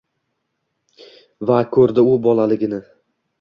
Va ko’rdi u bolaligini –